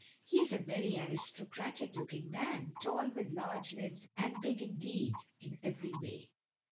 He is a very aristocratic looking man, tall, with large limbs, and big indeed, in every way.